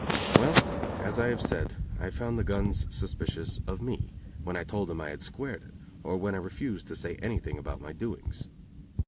Well, as I have said, I found the guns suspicious of me, when I told them I had squared it, or when I refused to say anything about my doings.